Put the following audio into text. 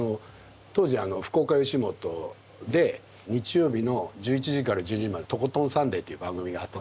当時福岡よしもとで日曜日の１１時から１２時まで「とことんサンデー」っていう番組があって。